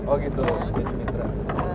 oh gitu jadi mitra